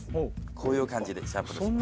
こういう感じでシャッフルします。